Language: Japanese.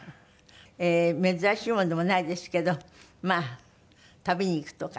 珍しいものでもないですけどまあ旅に行くとか。